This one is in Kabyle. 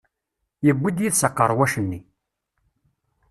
Yewwi-d yid-s aqerwac-nni.